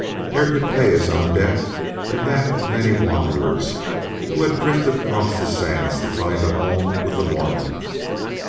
Hare could pay his own debt and that of the many wanderers who had drifted across the sands to find a home with the Mormon.